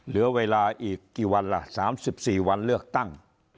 เหลือเวลาอีกกี่วันล่ะ๓๔วันเลือกตั้ง